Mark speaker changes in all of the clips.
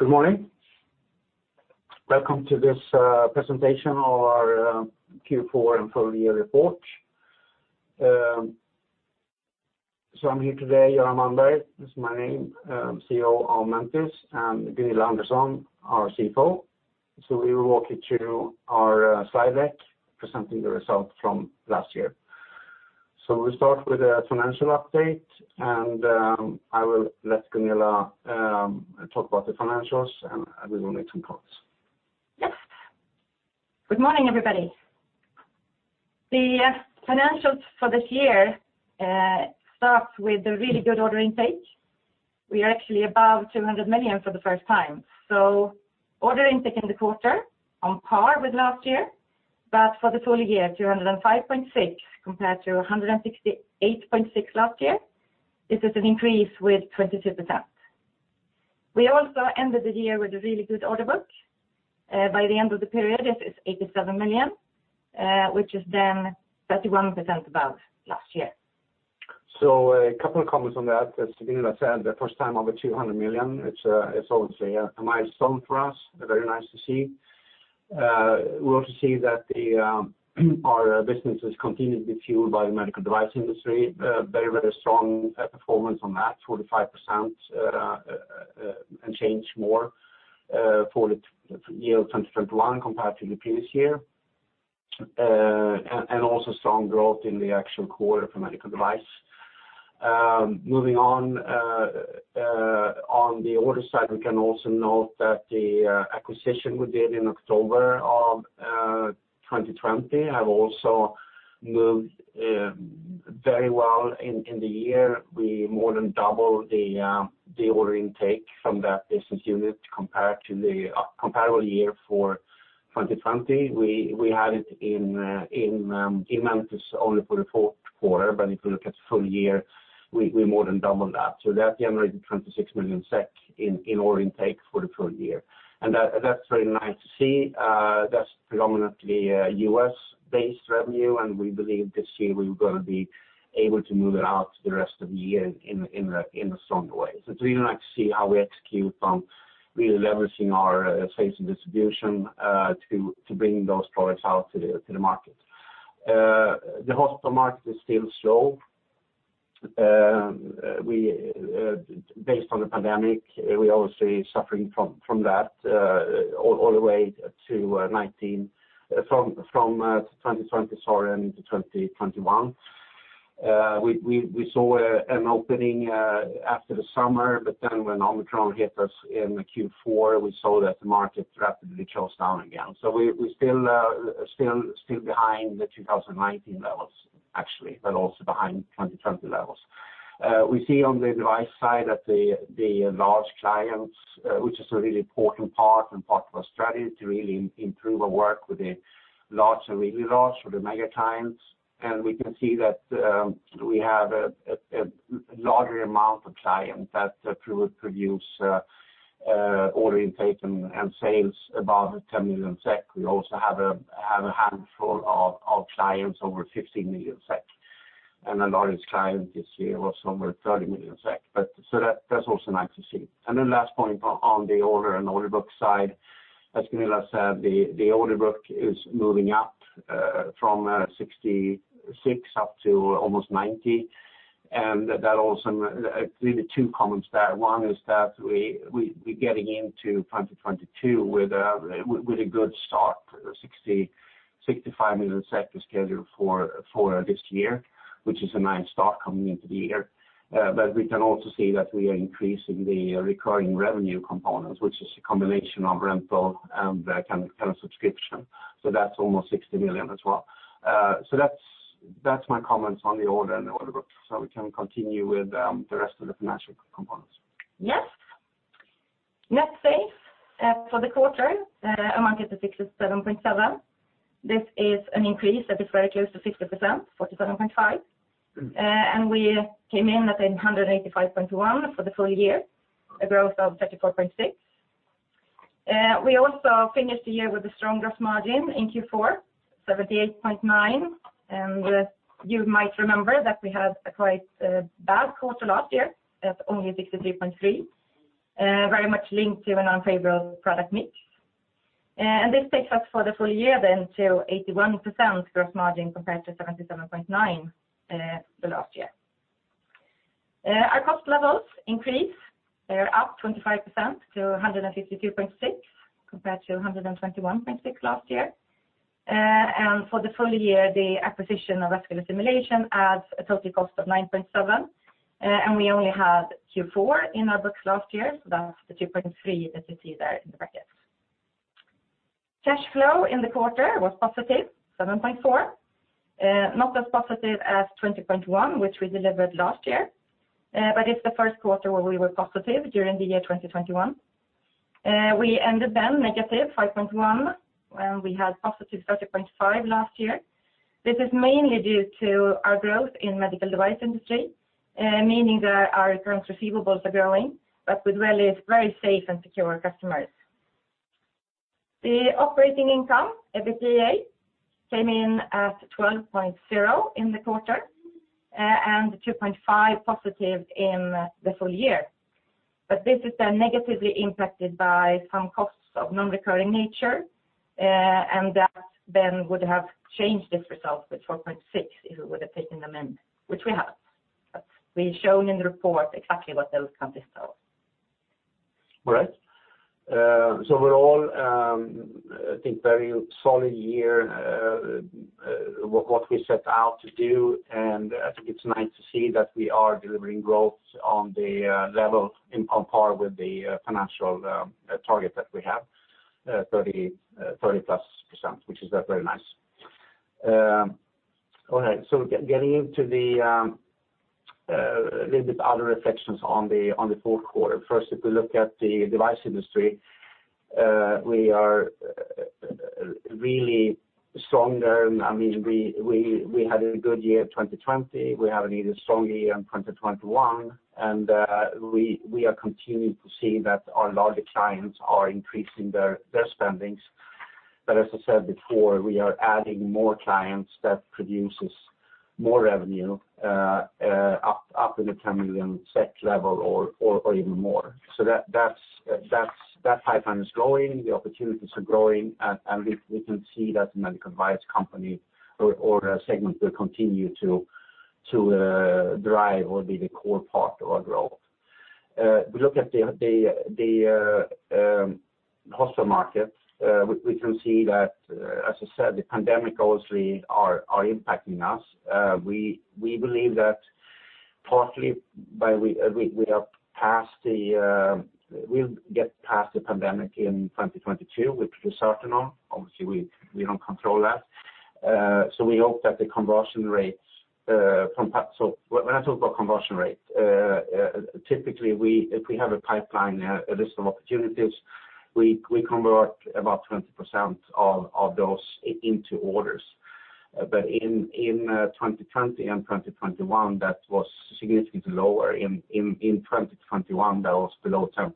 Speaker 1: Good morning. Welcome to this presentation of our Q4 and full-year report. I'm here today, Göran Malmberg is my name, CEO of Mentice, and Gunilla Andersson, our CFO. We will walk you through our slide deck presenting the results from last year. We start with a financial update, and I will let Gunilla talk about the financials, and I will make some comments.
Speaker 2: Yes. Good morning, everybody. The financials for this year starts with a really good order intake. We are actually above 200 million for the first time. Order intake in the quarter on par with last year, but for the full-year, 205.6 compared to 168.6 last year. This is an increase with 22%. We also ended the year with a really good order book. By the end of the period, this is 87 million, which is then 31% above last year.
Speaker 1: A couple of comments on that. As Gunilla said, the first time over 200 million, it's obviously a milestone for us, very nice to see. We also see that our business is continuously fueled by the medical device industry, very strong performance on that, 45% and change more for the year 2021 compared to the previous year. And also strong growth in the actual quarter for medical device. Moving on the order side, we can also note that the acquisition we did in October of 2020 have also moved very well in the year. We more than doubled the order intake from that business unit compared to the comparable year for 2020. We had it in Mentice only for the Q4, but if you look at full-year, we more than doubled that. That generated 26 million SEK in order intake for the full-year. That's very nice to see. That's predominantly US-based revenue, and we believe this year we were gonna be able to move it out to the rest of the year in a strong way. It's really nice to see how we execute from really leveraging our sales and distribution to bring those products out to the market. The hospital market is still slow. We, based on the pandemic, are obviously suffering from that all the way from 2020, sorry, and into 2021. We saw an opening after the summer, but then when Omicron hit us in Q4, we saw that the market rapidly closed down again. We still behind the 2019 levels, actually, but also behind 2020 levels. We see on the device side that the large clients, which is a really important part of our strategy to really improve our work with the large and really large, or the mega clients. We can see that we have a larger amount of clients that produce order intake and sales above 10 million SEK. We also have a handful of clients over 15 million SEK. The largest client this year was somewhere 30 million SEK. That's also nice to see. Last point on the order and order book side, as Gunilla said, the order book is moving up from 66 up to almost 90. That also really two comments there. One is that we're getting into 2022 with a good start, 65 million is scheduled for this year, which is a nice start coming into the year. But we can also see that we are increasing the recurring revenue components, which is a combination of rental and kind of subscription. That's almost 60 million as well. That's my comments on the order and the order book. We can continue with the rest of the financial components.
Speaker 2: Yes. Net sales for the quarter amounted to 67.7. This is an increase that is very close to 50%, 47.5%. We came in at 185.1 for the full-year, a growth of 34.6%. We also finished the year with a strong gross margin in Q4, 78.9%. You might remember that we had a quite bad quarter last year at only 63.3%, very much linked to an unfavorable product mix. This takes us for the full-year to 81% gross margin compared to 77.9% the last year. Our cost levels increase. They're up 25% to 152.6 compared to 121.6 last year. For the full-year, the acquisition of Vascular Simulations adds a total cost of 9.7. We only had Q4 in our books last year, so that's the 2.3 that you see there in the brackets. Cash flow in the quarter was positive 7.4. Not as positive as 20.1, which we delivered last year. It's the Q1 where we were positive during the year 2021. We ended then negative 5.1, we had positive 30.5 last year. This is mainly due to our growth in medical device industry, meaning that our current receivables are growing, but with really very safe and secure customers. The operating income, EBITDA, came in at 12.0 in the quarter, and positive SEK 2.5 in the full-year. This has been negatively impacted by some costs of non-recurring nature, and that then would have changed this result with 4.6 if we would have taken them in, which we have. We've shown in the report exactly what those costs are.
Speaker 1: All right. I think we had a very solid year, what we set out to do, and I think it's nice to see that we are delivering growth on par with the financial target that we have, 30%+, which is very nice. All right, getting into a little bit other reflections on the Q4. First, if we look at the device industry, we are really stronger. I mean, we had a good year in 2020. We have an even stronger year in 2021, and we are continuing to see that our larger clients are increasing their spending. As I said before, we are adding more clients that produces more revenue, up in the 10 million level or even more. That pipeline is growing, the opportunities are growing, and we can see that the medical device company or segment will continue to drive or be the core part of our growth. We look at the hospital markets, we can see that, as I said, the pandemic obviously are impacting us. We believe that partly by we are past the. We'll get past the pandemic in 2022, which we're certain on. Obviously, we don't control that. We hope that the conversion rates, when I talk about conversion rate, typically, we, if we have a pipeline, a list of opportunities, we convert about 20% of those into orders. But in 2020 and 2021, that was significantly lower. In 2021, that was below 10%.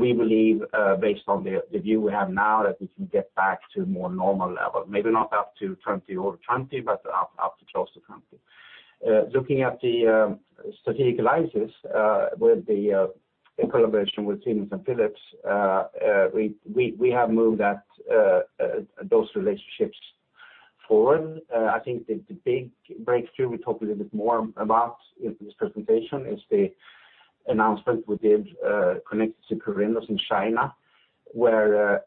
Speaker 1: We believe, based on the view we have now, that we can get back to more normal level, maybe not up to 20%, but up to close to 20%. Looking at the strategic alliances, in collaboration with Siemens and Philips, we have moved those relationships forward. I think the big breakthrough we talk a little bit more about in this presentation is the announcement we did connected to Corindus in China, where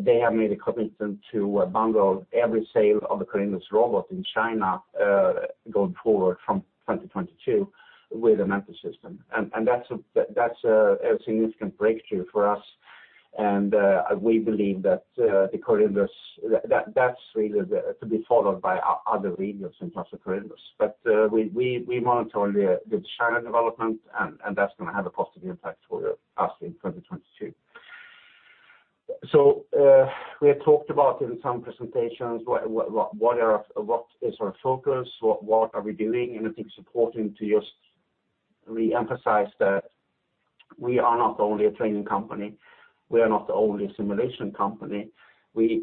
Speaker 1: they have made a commitment to a bundle every sale of the Corindus robot in China going forward from 2022 with a Mentice system. That's a significant breakthrough for us. We believe that that's really to be followed by other regions in terms of Corindus. We monitor the China development and that's gonna have a positive impact for us in 2022. We have talked about in some presentations what is our focus, what are we doing, and I think it's important to just re-emphasize that we are not only a training company. We are not only a simulation company. We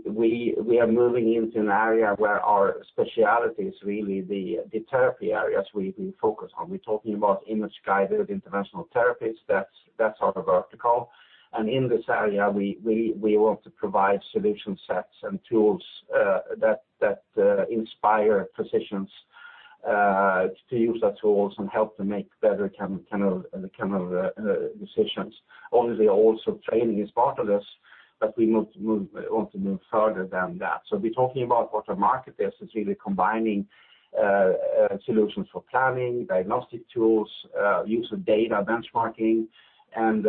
Speaker 1: are moving into an area where our specialty is really the therapy areas we focus on. We're talking about image-guided interventional therapies. That's our vertical. In this area, we want to provide solution sets and tools that inspire physicians to use the tools and help to make better clinical decisions. Obviously, also training is part of this, but we want to move further than that. We're talking about what our market is really combining solutions for planning, diagnostic tools, use of data benchmarking, and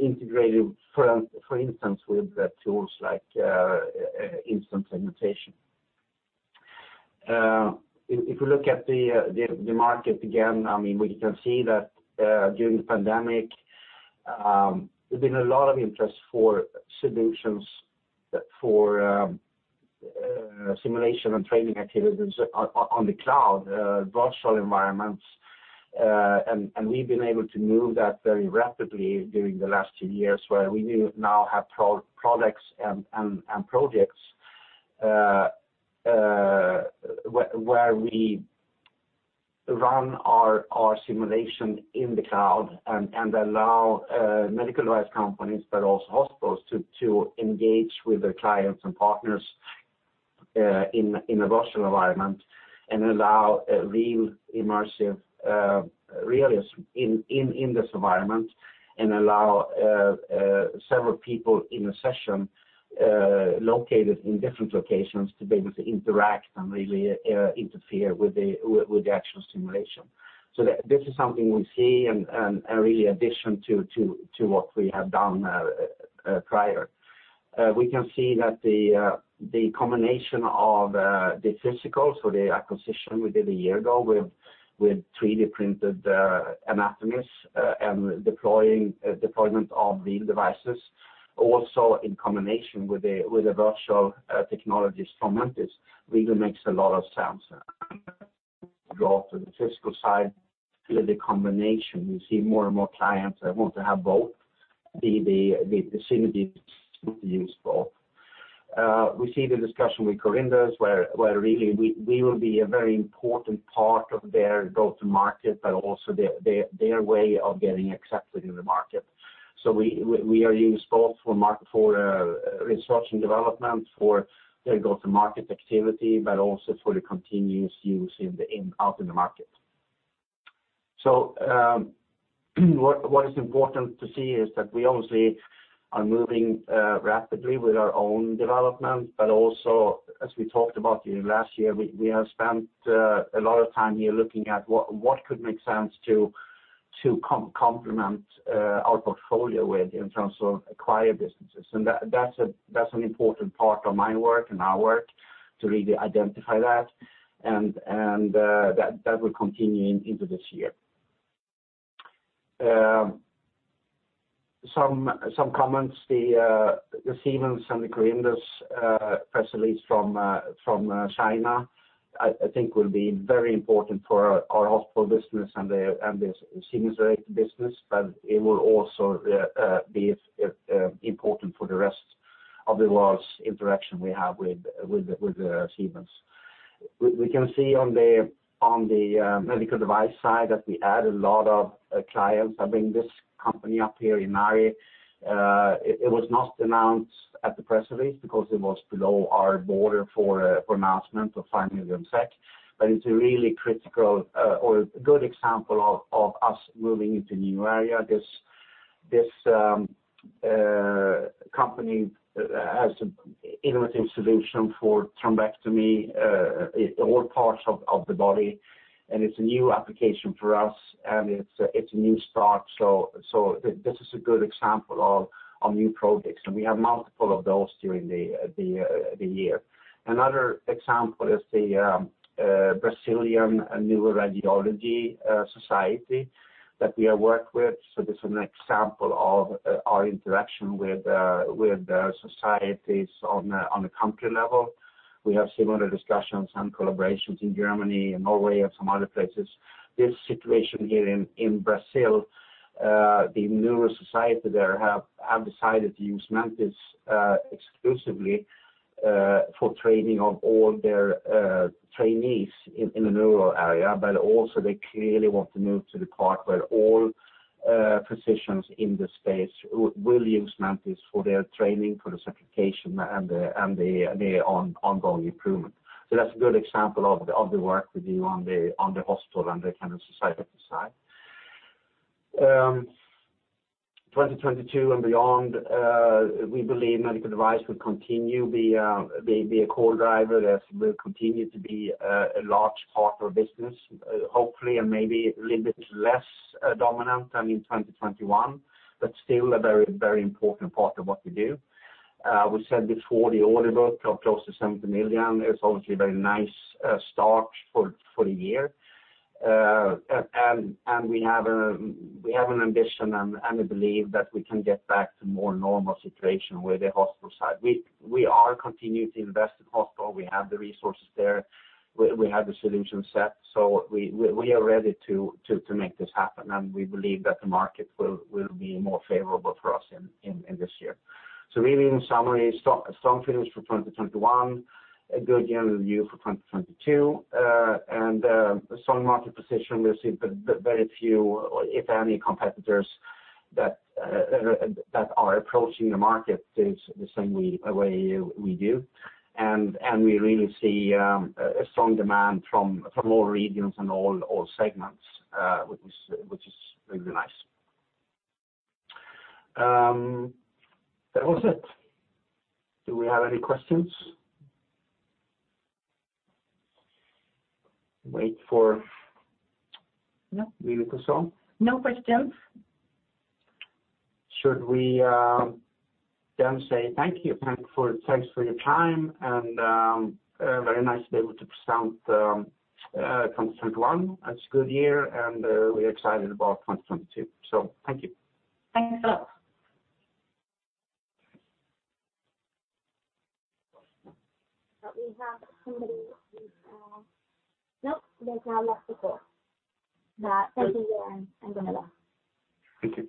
Speaker 1: integrated, for instance, with tools like instance segmentation. If you look at the market again, I mean, we can see that during the pandemic, there's been a lot of interest for solutions for simulation and training activities on the cloud, virtual environments. We've been able to move that very rapidly during the last two years, where we now have proprietary products and projects where we run our simulation in the cloud and allow medical device companies, but also hospitals to engage with their clients and partners in a virtual environment and allow a real immersive realism in this environment and allow several people in a session located in different locations to be able to interact and really interfere with the actual simulation. This is something we see and real addition to what we have done prior. We can see that the combination of the physical, so the acquisition we did a year ago with 3D printed anatomies and deployment of real devices also in combination with a virtual technologies from Mentice really makes a lot of sense. Go to the fiscal side, really the combination, we see more and more clients that want to have both be the synergy useful. We see the discussion with Corindus, where really we are used both for research and development, for their go-to-market activity, but also for the continuous use out in the market. What is important to see is that we obviously are moving rapidly with our own development, but also as we talked about in last year, we have spent a lot of time here looking at what could make sense to complement our portfolio with in terms of acquire businesses. That's an important part of my work and our work to really identify that, and that will continue into this year. Some comments on the Siemens and the Corindus press release from China, I think will be very important for our hospital business and the Siemens-related business. It will also be important for the rest of the world's interaction we have with Siemens. We can see on the medical device side that we add a lot of clients. I bring this company up here, Inari Medical. It was not announced at the press release because it was below our border for announcement of 5 million SEK. But it's a really critical or good example of us moving into new area. This company has innovative solution for thrombectomy in all parts of the body, and it's a new application for us, and it's a new start. This is a good example of new products, and we have multiple of those during the year. Another example is the Brazilian Neuroradiology Society that we have worked with. This is an example of our interaction with societies on a country level. We have similar discussions and collaborations in Germany and Norway and some other places. This situation here in Brazil, the neuro society there have decided to use Mentice exclusively for training of all their trainees in the neuro area. But also they clearly want to move to the part where all physicians in the space will use Mentice for their training, for the certification and the ongoing improvement. That's a good example of the work we do on the hospital and the kind of society side. 2022 and beyond, we believe medical device will continue be a core driver, as will continue to be a large part of our business, hopefully and maybe a little bit less dominant than in 2021, but still a very, very important part of what we do. We said before the order book of close to 70 million is obviously a very nice start for the year. We have an ambition and a belief that we can get back to more normal situation with the hospital side. We are continuing to invest in hospital. We have the resources there. We have the solution set, so we are ready to make this happen, and we believe that the market will be more favorable for us in this year. Really in summary, strong finish for 2021, a good general view for 2022. Strong market position, we've seen very few, if any, competitors that are approaching the market the same way we do. We really see a strong demand from all regions and all segments, which is really nice. That was it. Do we have any questions?
Speaker 2: No.
Speaker 1: Ulrika Drotz Voksepp.
Speaker 2: No questions.
Speaker 1: Should we then say thank you? Thanks for your time, and very nice to be able to present 2021. It's a good year, and we're excited about 2022. Thank you.
Speaker 2: Thanks a lot. There's no one left before. Thank you, Johan and Gunilla.
Speaker 1: Thank you.